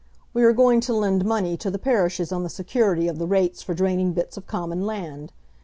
We are going to lend money to the parishes on the security of the rates for draining bits of common land.